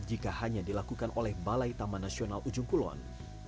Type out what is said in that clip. jika hanya dilakukan oleh balai taman nasional ujung kulon